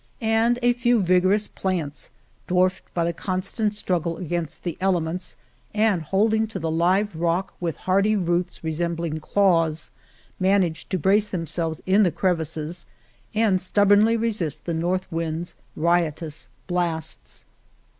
And a few vigorous plants, dwarfed by the constant struggle against the elements and holding to the live rock with hardy roots resembling claws, managed to brace themselves in the crevices and stubbornly resist the north wind's riotous blasts.